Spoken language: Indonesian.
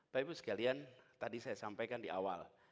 baik bu sekalian tadi saya sampaikan di awal